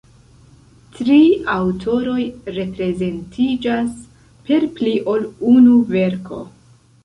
Tri aŭtoroj reprezentiĝas per pli ol unu verko.